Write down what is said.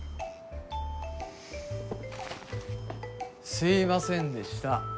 すいませんでした。